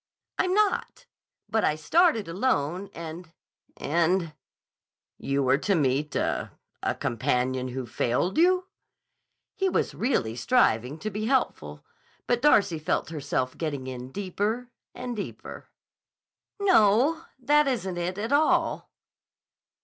"I'm not. But I started alone and—and—" "You were to meet a—a companion who failed you?" He was really striving to be helpful, but Darcy felt herself getting in deeper and deeper. "No: that isn't it, at all."